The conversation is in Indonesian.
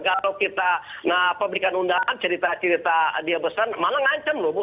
kalau kita nah pemberikan undangan cerita cerita dia pesan mana ngancem loh bu